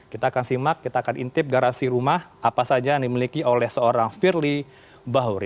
kita akan simak kita akan intip garasi rumah apa saja yang dimiliki oleh seorang firly bahuri